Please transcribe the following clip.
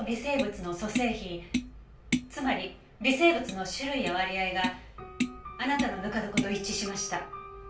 つまり微生物の種類や割合があなたのぬか床と一致しました。